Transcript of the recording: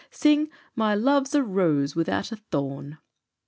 "Sing 'My loove's a roos wi'out a thorn.'"